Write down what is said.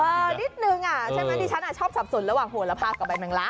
นิดนึงดิฉันชอบสับสนระหว่างโหระพากกับใบแมงลัก